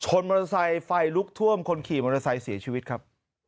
มอเตอร์ไซค์ไฟลุกท่วมคนขี่มอเตอร์ไซค์เสียชีวิตครับ